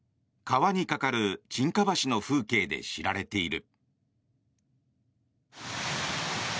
川に架かる沈下橋の風景で知られている。